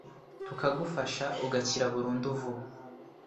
Tukagufasha ugakira burundu vuba